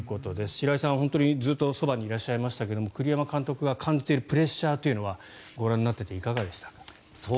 白井さん、本当にずっとそばにいらっしゃいましたが栗山監督が感じているプレッシャーというのはご覧になっていかがでしたか？